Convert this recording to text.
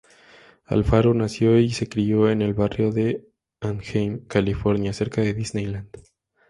Alfaro nació y se crio en el barrio de Anaheim, California, cerca de Disneyland.